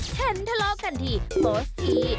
แขนทะเลากันที่เบิ้ลส์ที